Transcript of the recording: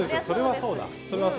それはそうなる。